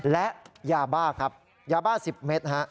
และยาบ้าครับยาบ้า๑๐เมตร